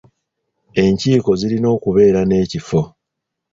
Enkiiko zirina okubeera n'ekifo.